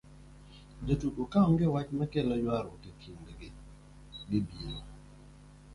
jotugo kapo ni onge wach makelo ywaruok e kind gi, biro